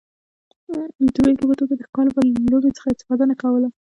د بېلګې په توګه دوی د ښکار لپاره له لومې څخه استفاده نه کوله